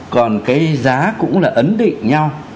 còn cái giá cũng là ấn định nhau